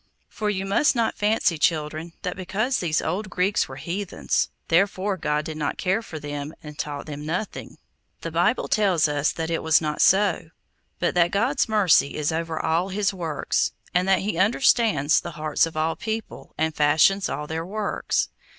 For you must not fancy, children, that because these old Greeks were heathens, therefore God did not care for them, and taught them nothing. The Bible tells us that it was not so, but that God's mercy is over all His works, and that He understands the hearts of all people, and fashions all their works.